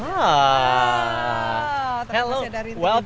wah terima kasih dari tukde